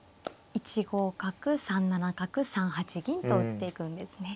１五角３七角３八銀と打っていくんですね。